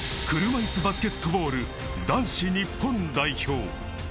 車いすバスケットボール男子日本代表。